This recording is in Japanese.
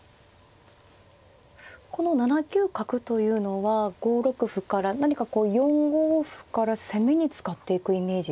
この７九角というのは５六歩から何かこう４五歩から攻めに使っていくイメージですか？